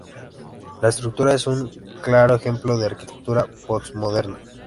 La estructura es un claro ejemplo de arquitectura postmoderna.